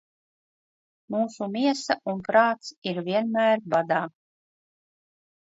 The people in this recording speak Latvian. Mūsu miesa un prāts ir vienmēr badā.